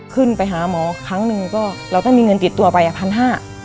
ขึ้นไปหาหมอครั้งหนึ่งก็เราต้องมีเงินติดตัวไปอ่ะพันห้า